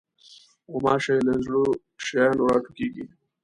غوماشې له زړو شیانو راټوکېږي.